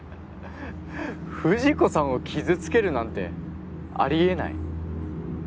藤子さんを傷つけるなんてあり得ない。